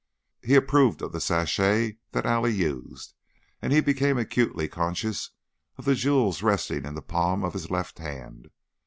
He approved of the sachet that Allie used, and he became acutely conscious of the jewels resting in the palm of his left hand.